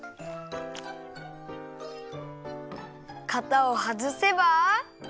かたをはずせば。